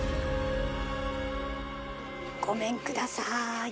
ごめんください。